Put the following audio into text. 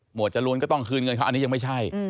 จรูนก็ต้องคืนเงินเขาอันนี้ยังไม่ใช่